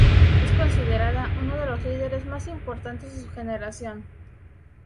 Es considerada uno de los líderes más importantes de su generación.